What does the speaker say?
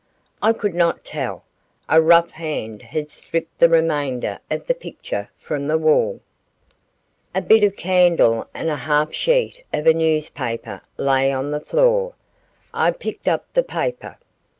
I could not tell; a rough hand had stripped the remainder of the picture from the wall. A bit of candle and a half sheet of a newspaper lay on the floor. I picked up the paper.